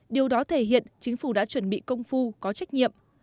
điều đó thể hiện chính phủ đã chuẩn bị công phu có trách nhiệm